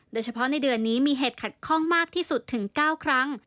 โดยเฉพาะในเดือนนี้มีเหตุขัดข้องมากที่สุดถึง๙ครั้ง